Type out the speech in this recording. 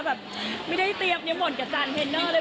แบบไม่ได้เตรียมยังหมดกับชาติเทนนอร์เลย